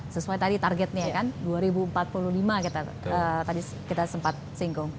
sesuai tadi targetnya kan dua ribu empat puluh lima kita tadi kita sempat singgung